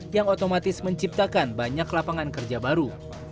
yang otomatis menciptakan banyak lapangan kerja baru